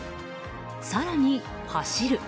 更に、走る。